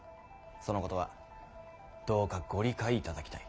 そのことはどうかご理解いただきたい。